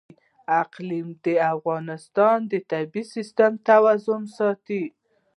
اقلیم د افغانستان د طبعي سیسټم توازن ساتي.